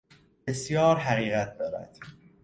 بسیار حقیقت دارد.